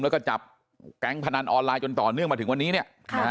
แล้วก็จับแก๊งพนันออนไลน์จนต่อเนื่องมาถึงวันนี้เนี่ย